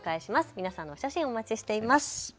皆さんのお写真お待ちしています。